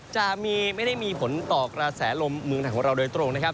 จะไม่ได้มีผลต่อกระแสลมเมืองไทยของเราโดยตรงนะครับ